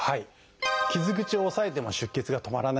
傷口を押さえても出血が止まらない場合。